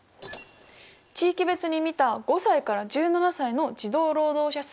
地域別に見た５歳から１７歳の児童労働者数です。